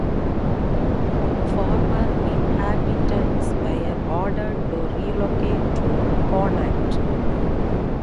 Former inhabitants were ordered to relocate to Connacht.